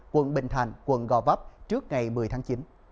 quận bình thành quận gò vấp trước ngày một mươi tháng chín